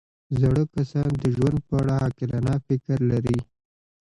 زاړه کسان د ژوند په اړه عاقلانه فکر لري